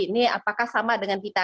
ini apakah sama dengan kita